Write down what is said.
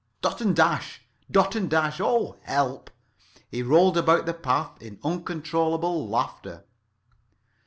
Dot and Dash! Dot and Dash! Oh, help!" He rolled about the path in uncontrollable laughter.